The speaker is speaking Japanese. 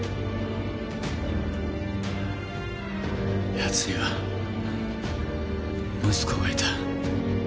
ヤツには息子がいた。